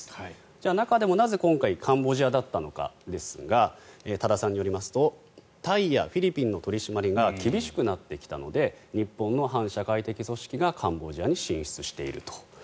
じゃあ、中でもなぜ今回カンボジアだったのかですが多田さんによりますとタイやフィリピンの取り締まりが厳しくなってきたので日本の反社会的組織がカンボジアに進出していると。